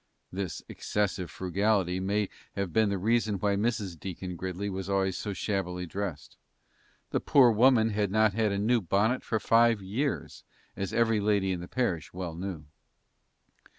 This excessive frugality may have been the reason why Mrs. Deacon Gridley was always so shabbily dressed. The poor woman had not had a new bonnet for five years, as every lady in the parish well knew.